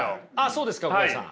そうですかコカドさん。